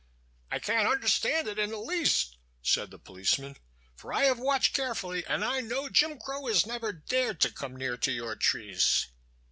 "I can't understand it in the least," said the policeman, "for I have watched carefully, and I know Jim Crow has never dared to come near to your trees."